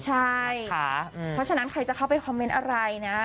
ใช่ค่ะเพราะฉะนั้นใครจะเข้าไปคอมเมนต์อะไรนะ